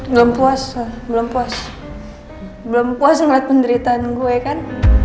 belum puas belum puas belum puas melihat penderitaan gue kan